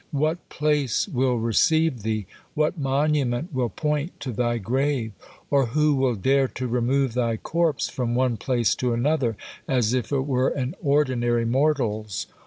What place will receive thee? What monument will point to thy grave? Or who will dare to remove thy corpse from one place to another as if it were an ordinary mortal's?